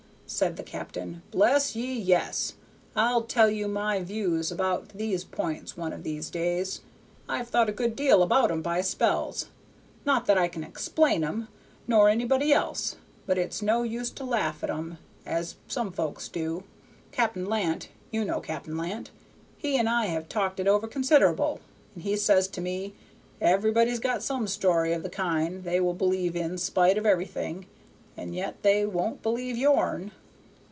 said the captain. "Bless ye, yes! I'll tell you my views about these p'ints one o' those days. I've thought a good deal about 'em by spells. Not that I can explain 'em, nor anybody else, but it's no use to laugh at 'em as some folks do. Cap'n Lant you know Cap'n Lant? he and I have talked it over consider'ble, and he says to me, 'Everybody's got some story of the kind they will believe in spite of everything, and yet they won't believe yourn.'"